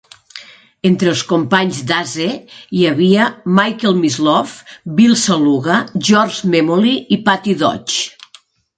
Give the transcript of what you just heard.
Entre els companys d'Ace, hi havia Michael Mislove, Bill Saluga, George Memmoli i Patti Deutsch.